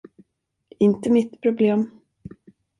Inte mitt problem.